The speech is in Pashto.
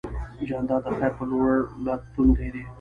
جانداد د خیر په لور تلونکی دی.